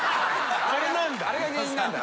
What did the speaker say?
あれが原因なんだ。